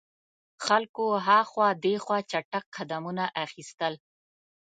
خلکو هاخوا دیخوا چټګ قدمونه اخیستل.